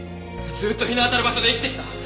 ずっと日の当たる場所で生きてきた。